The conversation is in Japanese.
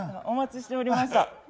お待ちしておりました。